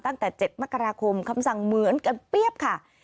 ตั้งแต่๗มกราคมคำสั่งเหมือนกันเปรี้ยบค่ะ